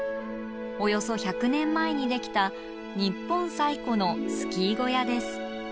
およそ１００年前にできた日本最古のスキー小屋です。